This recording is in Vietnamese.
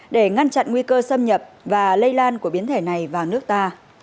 để ngăn chặn nguy cơ xâm nhập và lây lan của biến thể này vào nước ta